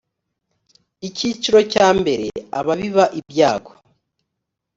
icyiciro cyambere ababiba ibyago